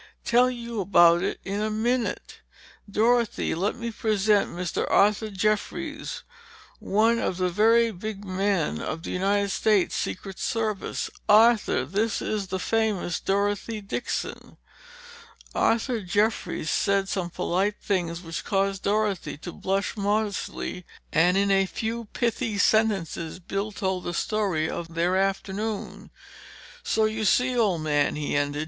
Tell you about it in a minute. Dorothy, let me present Mr. Arthur Jeffries, one of the very big men of the United States Secret Service. Arthur, this is the famous Dorothy Dixon!" Arthur Jeffries said some polite things which caused Dorothy to blush modestly, and in a few pithy sentences Bill told the story of their afternoon. "So you see, old man," he ended.